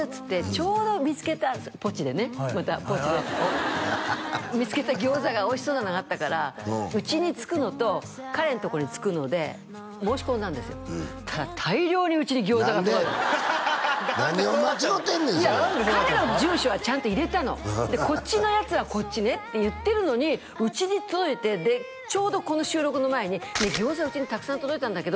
ちょうど見つけたんですよポチでねまたポチで見つけた餃子がおいしそうなのがあったからうちに着くのと彼のとこに着くので申し込んだんですよたら大量にうちに餃子が届いた何でやねん何を間違うてんねんそれいや彼の住所はちゃんと入れたのでこっちのやつはこっちねって言ってるのにうちに届いてでちょうどこの収録の前に「ねえ餃子うちにたくさん届いたんだけど」